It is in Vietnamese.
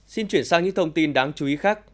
xin chuyển sang những thông tin đáng chú ý khác